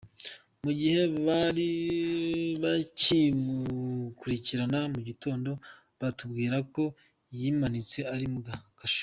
Mu gihe bari bakimukurikirana mu gitondo batubwira ko yimanitse ari muri kasho.”